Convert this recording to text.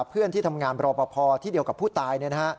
เพื่อนที่ทำงานรอปภที่เดียวกับผู้ตาย